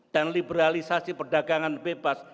dan liberalisasi perdagangan bebas